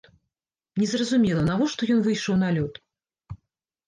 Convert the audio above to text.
Незразумела, навошта ён выйшаў на лёд.